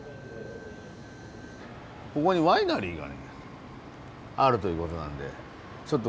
ここにワイナリーがねあるということなんでちょっと